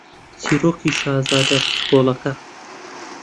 چیرۆکی شازادە بچکۆڵەکە